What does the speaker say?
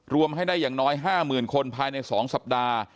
รวมให้ได้อย่างน้อย๕๐๐๐คนภายใน๒สัปดาห์